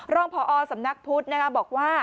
รองพอสำนักพุทธบอกว่า